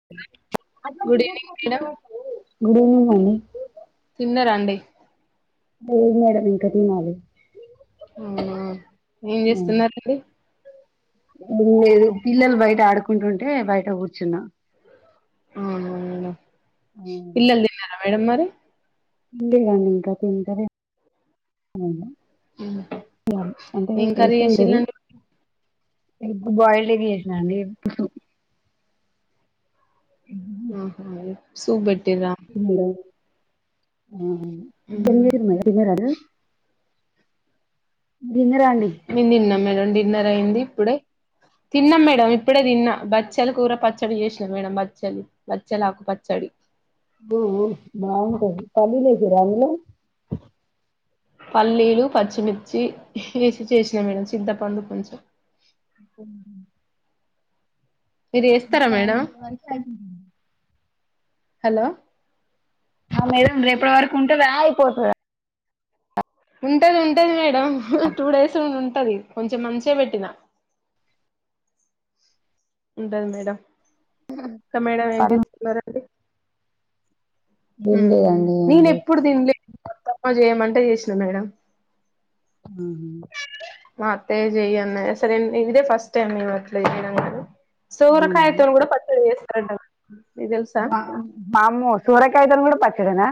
[inaudible] Evening good madam evening మండి తిన్నరండి లేదు మేడం ఇంకా తినాలి అవునా ఏం చేస్తున్నారండి ఏం లేదు పిల్లలు బయట ఆడుకుంటుంటే బయట కూర్చున్నా అవునా మేడం పిల్లలు తిన్నారా మేడం మరి ఉంది గండి ఇంకా తింటారే ఊహూ ఏం [unintelligible] [inaudible] ఎ కర్రీ చేసిల్లండి ఎగ్ బాయిల్డ్ ఎగ్ చేసిన అండి [unintelligible] ఇ ఆహ అ సూప్ బెట్టిర్రా ఆహా మ్మ్ [inaudible] తిన్నరారా గీన్నరాండి మేము తిన్నాం మేడం డిన్నర్ అయింది ఇప్పుడే తిన్నాం మేడం ఇప్పుడే తిన్నా బచ్చలు కూర పచ్చడి చేసిన మేడం బచ్చలీ బచ్చెలాకు పచ్చడి అబ్బో బాగుంటది పల్లీలేసరా అందులో పల్లీలు, పచ్చిమిర్చి వేసి చేసినా మేడం చింతపండు కొంచెం [inaudible] మీరు చేస్తారా మేడం [inaudible] హలో ఆ మేడం రేపటి వరకు ఉంటదా అయిపోతదా ఉంటది ఉంటది మేడం టూ డేస్ ఉంటది కొంచెం మంచిగా పెట్టినా ఉంటది మేడం ఇంకా మేడం ఏం చేసుకున్నారండి ఏం ఉహు లేదండి ఏం నేన్ ఎప్పుడు తింలే మా పప్పా చేయమంటే చేసినా మేడం ఉ మా అత్తే చెయ్యన్న సరే ఇదిదే ఫస్ట్ టైమ్ నే అట్లే చేయడం కానీ సోరకాయతోని కూడా పచ్చడ చేస్తారంటారా వామ్మో సొరకాయతోని కూడా పచ్చిడనా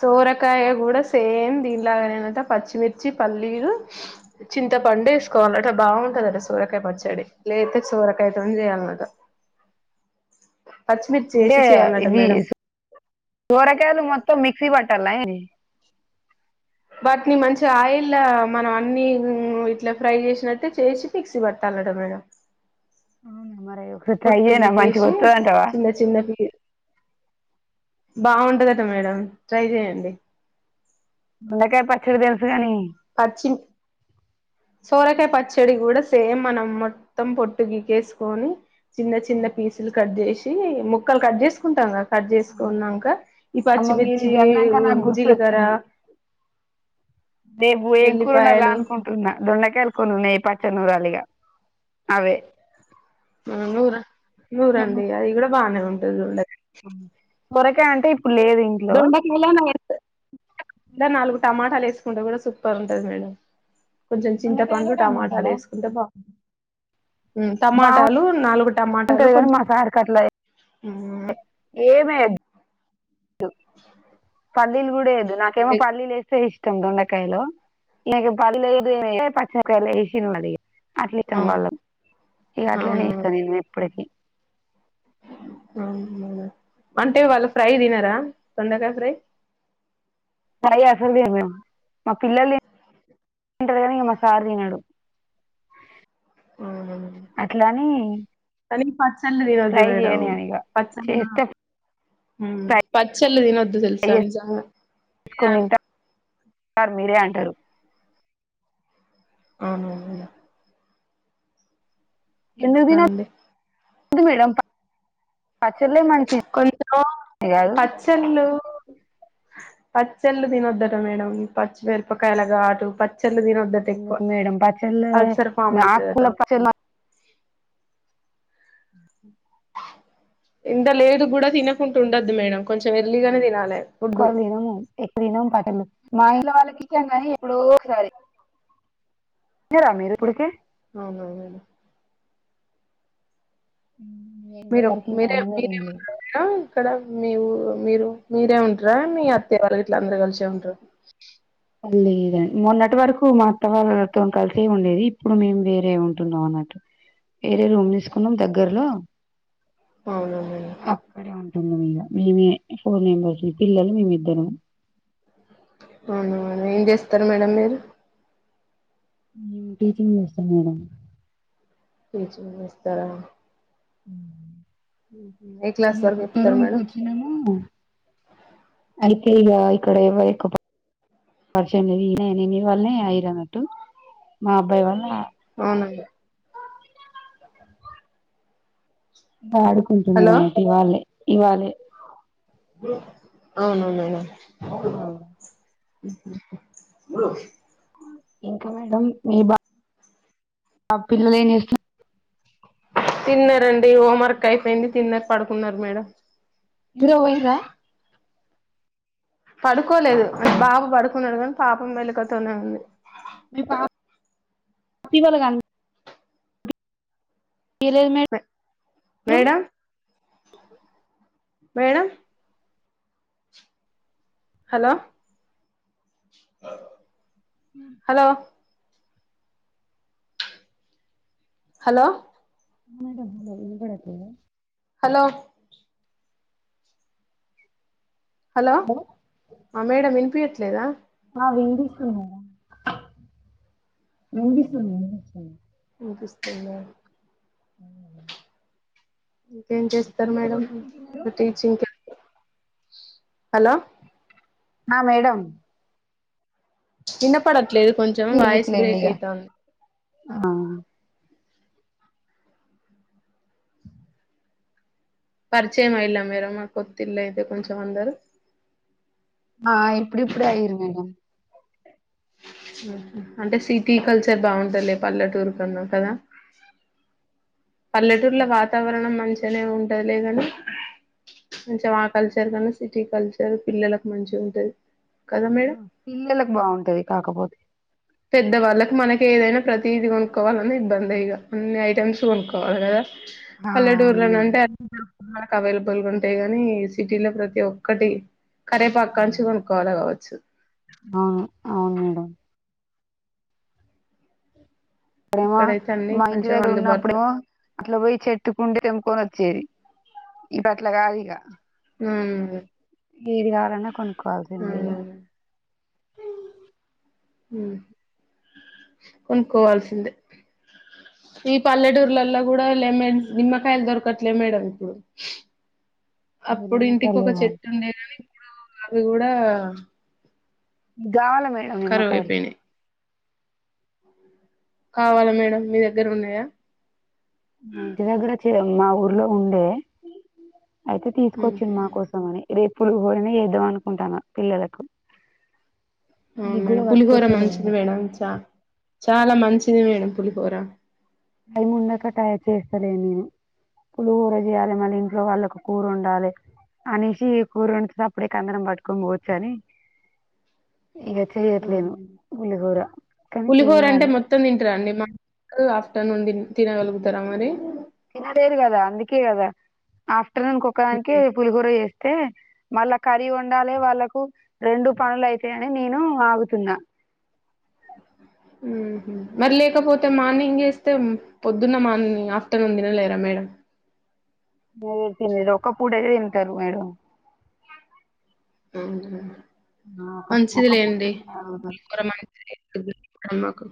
సోరకాయ కూడా సేమ్ దినిలాగానేనట పచ్చిమిర్చి పల్లీలు చింత పండు ఎసుకోవాలట బాగుంటదటా సోరకాయ పచ్చడి లేత సోరకాయతోని చేయాలన్నట పచ్చిమిర్చి ఎసి చేయాలన్నట మేడం సొరకాయలు మొత్తం మిక్సీ బట్టలన్న వాటిని మంచిగా ఆయిల్ మనం అన్ని ఉం ఇట్లా ఫ్రై చేసినట్టే చేసి మిక్సి బట్టాలటా మేడం అవును మరి ఒకసారి ట్రై పొట్టు చేయనా పీకేసి మంచిగతాది అంటావా చిన్న చిన్న బీ బాగుంటదట మేడం ట్రై చెయండి దొండకాయ పచ్చడ తెలుసుగాని పచ్చిమ్ సోరకాయ పచ్చడి కూడా సేమ్ మనం మొత్తం పొట్టు గికేసుకొని చిన్న చిన్న పీసులు కట్ చేసి ముక్కలు కట్ చేసుకుంటాం కదా కట్ చేసుకున్నాక ఈ అమ్మ మీరు పచ్చిమిర్చి ఇది అన్నాక ఉ నాకు జీలకర్ర దేవు ఏం కూరునల్ వెల్లిపాయలు అనుకుంట న్నా దొండకాయలు కొన్ని ఉన్నాయి పచ్చడి నూరాలిగా అవే నూర నూరండి అది కూడా బాగానే ఉంటది దొండ సొరకాయ అంటే ఇప్పుడు లేదు ఇం దొండకాయలా [inaudible] నాలుగు టమాటాలు వేసుకుంటే కూడా సూపర్ ఉంటది మేడం కొంచెం దొండకాయలు చింతపండు టమాటాలు టమాటాలా వేసుకుంటే బాగుం బాగుంటది టమాటాలు నాలుగు టమాటా టాలు కానీ మా కొంచం ఉమ్ ఏమేయ్యద్దు పల్లీలు కూడా వెయ్యద్దు నాకేమో ఎక్ పల్లీలు ఎస్తే ఇష్ ష్టం దొండకాయలో ఈయనకు పల్లీలు వెయ్యద్దు ఏమయ్యద్దు పచ్చిమిరపకాయలు వేసిిన మది అట్లా ఆ ఇష్టాం వాళ్ళకు ఇక అట్లనే అవును ఇస్తాను నేను ఎప్పటికి అవున అంటే వాళ్ళు ఫ్రై తినారా దొండకాయ ఫ్రై ఫ్రై అసలు దినరు మా పిల్లలు తింటారు కానీ ఇంగ మా సార్ తినడు అవునా అట్లా అని కానీ పచ్చల్లుతినద్దు ఫ్రై మేడం చేయను నేను ఇక పచ్చలా చేస్తే హ్మ్ ఫ్రై పచ్చల్ దినద్దు తెల్సా నిజాంగా సార్ మీరే అంటారు అవునవును మేడమ్ అండి ఎందుకుదినదు మేడం పచ్చలే మంచి కొంచం పచ్చళ్ళు పచ్చళ్ళు తినొద్దట మేడం పచ్చిమిరపకాయల గాటు పచ్చళ్ళు తిన ద్దు అట ఎక్కువ ఎందుకు మేడం పచ్చళ్ళు అల్సర్ ఫామ్ అయితదట ఆకుకూర పచ్చళ్ళు ఇంత లేదు కూడా తినకుండా ఉండదు మేడం కొంచెం ఎర్లీగానే తినాలె ఎక్కువ ఫుడ్డు తినము ఎక్కువ తినం పటలు మా ఇంట్లో వాళ్ళకి ఇష్టం గానీ ఎప్పుడో ఒకసారి వెళ్ళారా మీరు ఉప్పుడుకే అవునవును ఎల్ల ఇంత మీరు వరకు ఇంకా మీరేం అన్నమే తినలేదు మీరేమన్నారు ఆ ఇక్కడ మీఊ మీరు మీరే ఉంట్ర మీ అత్తయ్య వాళ్ళు గిట్లా అందరు కలిసే ఉంట్ర లేదండి మొన్నటి వరకు మాఅత్త వాళ్ళతోం కలిసే ఉండేది ఇప్పుడు మేం వేరే ఉంటున్నాం అన్నట్ వేరే రూమ్ తీసుకున్నాం దగ్గరలో అవున మేడం అక్కడే ఉంటున్న మీగా మేమే ఫోర్ నెంబర్స్ పిల్లలు మేమిద్దరం అవునవును ఏం చేస్తారు మేడం మీరు నేన్ టీచింగ్ చేస్తాం మేడం టీచింగ్ చేస్తారా ఊ ఏ క్లాస్ ఇగ వరకు చెప్తారు కొత్తరుం మేడం కోచ్చినము అయితే ఇగ ఇక్కడ ఎవరేకూవా పన్ పరిచయం లేదు ఈయనే మీ వాళ్ళనే అయిరన్నట్టు మా అబ్బాయి వాళ్ళ అవునా అండి ఇంకా ఆడుకుంటున్నారు హలో అన్నమాట ఇవాళే ఇవాళే అవునవున ఇక ఇంకా మేడం మీ బా పిల్లలేం చేస్తున్నా తిన్నారండి హోంవర్క్ అయిపోయింది తిన్నార్ పడుకున్నారు మేడం నిద్రపోయిర్రా పడుకోలేదు అంట బాబు పడుకున్నాడు కానీ పాపం మెళకతోనే ఉంది మీ పా ఫీవల్గాల్ ఇయ్ లేద్ మేడ్ మేడం మేడం హలో ఆ హలో హలో మేడం హలో వినపడట్లేదా హలో హలో ఆ మేడం వినిపియట్లేదా ఆ వినిపిస్తుంది మేడం వినిపిస్తుంది వినిపిస్తుంది వినిపిస్తుంద అవున్ మేడం ఇంకేం చేస్తారు మేడం టీచింగ్ హలో ఆ మేడం వినపడట్లేదు కొంచెం వాయిస్ బ్రేక్ అయితంది ఆ అ పరిచయం అయిలా మేడం మా కొత్తిళ్ల్ళ అయితే కొంచెం అందరు ఆ ఇప్పుడిప్పుడే ఆయీరు మేడం అంటే సిటీ కల్చర్ బాగుంటలే పల్లెటూరు కన్నా కదా పల్లెటూర్ల వాతావరణం మంచిగనే ఉంటద్ లే గాని మంచిగ ఆ కల్చర్ కన్నా సిటీ కల్చర్ పిల్లలకు మంచిగా ఉంటది కదా మేడం ఇంగ పిల్లలలకు బాగుంటది కాకపోతే పెద్దవాళ్ళకి మనకేదైనా ప్రతీది కొనుకొవలన్న ఇబ్బందేయిగ, అన్ని ఐటెమ్స్ కొనుక్కోవాల కదా? ఆ అవును మేడం పల్లెటూర్లనున్టే [inaudible] కవేలబుల్గుంటయ్ గాని సిటీలో ప్రతి ఒక్కటి కరేపాక్ కాన్చి కొనుక్కోవాల గావచ్చు అవును అవున్మేడం ప్పుడేమో అక్కడైతే అన్ని మా ఇంటి కొంచెం దెగ్గర ఉన్నప్పుడూ అందుబాటులో అట్లా పోయి చెట్టుకుండే తెంపుకొనొచ్చి ఇప్ అట్లా కాదిగ హు మ్ ఏది కావాలన్నా కొనుక్కోవాల్సిందేయిగా ఉమ్ హు కొనుక్కోవాల్సిందే ఈ పల్లెటూర్లల్ల కూడా లెమన్స్, నిమ్మకాయల్ దొరకట్లే మేడం ఇప్పుడు. అప్పుడు మీరున్న ఇంటికోక కలేవా చెట్టున్డే గాని ఇప్పుడు అవి కూడా. గావాల్ల మేడం కరువు నిమ్మకాయలు అయిపోయినాయి కావాలా మేడ మీ దెగ్గరున్నాయా మా ఇంటి దెగ్గర చే మా ఊర్లో ఉండే, అయితే ఉహు తీసుకొచ్చిన్ మా కోసం అని. రేప్ పులిహొరన్న ఏద్దాం అనుకుంటాన్న పిల్లలకు మీకు కూడా అవున్మేడం పులిహోర మంచిది పట్టుకొస్తలేండి మేడం, చ చాలా మంచిది మేడం పులిహోర. టైం మున్డక టై చేస్తలే నేను పులిహోర జేయాలే మల్లి ఇంట్లో వాళ్లకు కూరొన్డాలె అనేసి ఇగ్ కూరోన్డుతే సప్పుడేక, అందరం పట్టుకొన్పోవచ్చని ఇగ. చేయట్లేను అవును గుల్లిహొరా కానీ చేయ్యాలి త్తం తింటారాన్డి మా [inaudible] ఆఫ్టర్నూన్ తిన్ తినగలుగుతరా మరి తినలేేరు కదా అందుకే కదా ఆఫ్టర్నూన్ కొక్కదాన్కే పులిహోర ఎ [unintelligible] తే మళ్ళా కర్రీ వండాలే వాళ్లకు, రెండు పనులైతయని నేను ఆగుతున్నా. ఉహు మరి లేకపోతే మార్నింగ్ జేస్తే పొద్దున్న మార్ని ఆఫ్టర్నూన్ దినలేరా మేడం [unintelligible] తిన్లే [unintelligible] ఒక్క పూటైతే తింటరు మేడం అవు [unintelligible] ఒక మంచిది ఒక పూట లేండి తింటారు. [inaudible] మన్ [inaudible] మాకు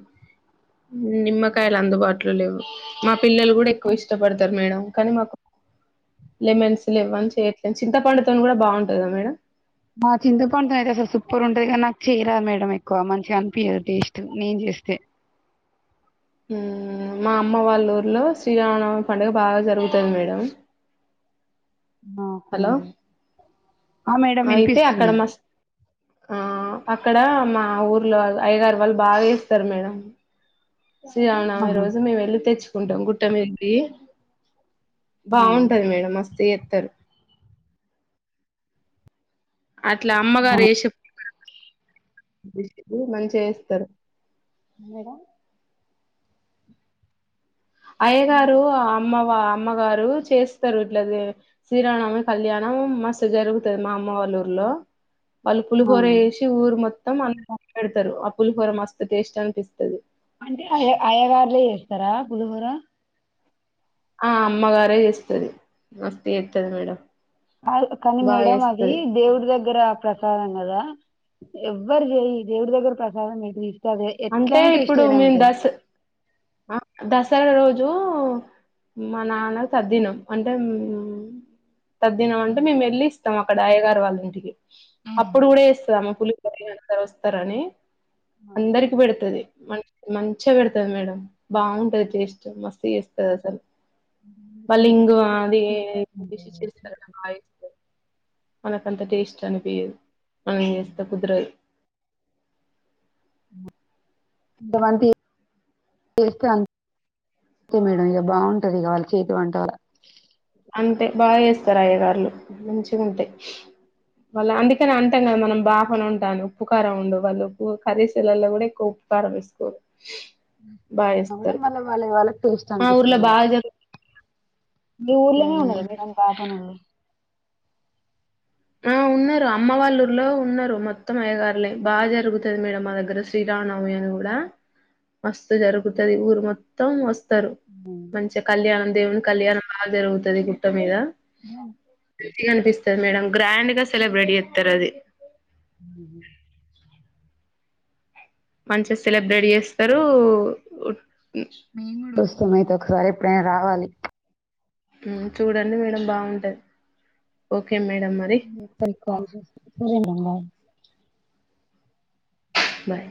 నిమ్మకాయలు అందుబాట్లో లేవ్. మా పిల్లలు కూడా ఎక్కువ్ ఇష్టపడతర్ మేడం కానీ మా [unintelligible] లెమన్స్సు లెవ్వని చె, [unintelligible] చింతపండుతోన్ కూడా బావున్టది కదా మేడం. మా చింత పంన్తో అయితే అసల్ సూపరూన్టది కానీ, నాక్ చెయ్యరాదు మేడం ఎక్కువ మంచిగన్పియ్యదు టెస్టు నేన్ జేస్తే. మ్ మా అమ్మ వాల్లూర్ల్లో శ్రీరామా నవమి పండుగ బాగా జరుగుతది మేడం. హలో ఆ మేడం అయితే అక్కడ వినిపిస్తుంది మస్ ఆ అక్కడ మా ఊర్లో [unintelligible] అయ్యగరు వాళ్ళు బాగ జేస్తారు మేడం. శ్రీరామానవమి ఆహా రోజు మేమ్వెళ్లి తెచ్చుకుంటాం గుట్ట మీద్ది ఆ బాగుంటది మేడం మస్త్ ఏత్తరు అట్లా అమ్మగారీ ఎస్సు [inaudible] మంచిగ చేస్తారు మేడం అయ్యగారు అమ్మవ అమ్మగారు చేస్తారు ఇట్లది శ్రీరామానవమి కళ్యాణం మస్తు జరుగుతది మా అమ్మ వాల్లూర్లో వళ్ళు ఆ పులిహోర ఎసి ఊరు మొత్తం, అ [unintelligible] పెడతారు ఆ పులిహోర మస్తు టేస్ట్ అనిపిస్తది. అంటే అయ అయ్యగారులే చేస్తారా పులిహోర ఆ అమ్మగారే చేస్తది మస్త్ చేస్తది మేడం కానీ బాగా మేడం అది చేస్తది దేవుడి దగ్గర ప్రసాదం కదా ఎవ్వరు చేయి దేవుడి దగ్గర ప్రసాదం ఎ అదే అంటే ఎట్లానా ఇప్పుడు టేస్టిగానే మేము ఉంటది దస ఆ దసరా రోజు మా నాన్న తద్దినం అంటే తద్దినం అంటే మేము వెళ్ళి తం అక్కడ ఆయగారు వాళ్ళింటికి అప్పుడు కూడా చేస్తా అమ్మ పులిహోర ఎవరైనా వస్తారని అందరికి పెడుతది మ మంచిగా పెడతది మేడం బాగుంటది టేస్ట్ మస్తు చేస్తు చేస్తదసలు మళ్ళీ చేతి ఇంగువ చేతి అవి తీరే అట్లా బాగా ఉంటుంది. చేస్తాడి [inaudible] మనకంత టేస్ట్ అనిపీయదు మనం చేస్తే కుదరదు ఎంత మంచి [inaudible] చేసాను అంతే మేడం ఇక బాగుంటది ఇగా వాళ చేతి వంట అంతే బాగా చేస్తారు అయ్యగార్లు మంచిగుంటయి వాళ్ళ అందుకని అంటం కదా మనం బాగానే ఉంటాను ఉప్పు కార ఉండు వాళ్ళు కరీసు లలో కూడా ఎక్కువ కరం వేసుకోరు బాగా ఉన్నా కూడా చేస్తారు మళ్ళీ వాళ్ళ వాళ్ళకి టేస్ట్ మా ఊర్లో అనిపిస్తుంది అని. బాగా జరుగు మీ ఊర్లోనే ఉన్నారు మేడం అయ్యగారు ఆ ఉన్నారు అమ్మ వాళ్ళుర్లో ఉన్నారు మొత్తం అయ్యగారులే బాగా జరుగుతది మేడం మా దగ్గర శ్రీరామనవమి అని కూడా మాస్తు జరుగుతది ఊరు మొత్తం వస్తారు ఉ మంచిగా కళ్యాణం దేవుని కళ్యాణం బాగా జరుగుతది గుట్ట మీద ఉ మంచిగా అనిపిస్తది మేడం గ్రాండ్ గా సెలబ్రెట్ చేస్తారు అది ఉహు మంచిగా సెలబ్రేట్ చేస్తారు మేము కూడా వస్తాం అయితే ఒకసారి ఎప్పుడైనా రావాలి చూడండి మేడం బాగుంటది ఓకే మేడం మరి తర్వాత కాల్ చేస్తా సరే మేడం బాయ్ బాయ్